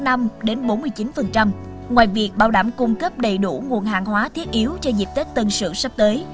ngoài việc bảo đảm cung cấp đầy đủ nguồn hàng hóa thiết yếu cho dịp tết tân sử sắp tới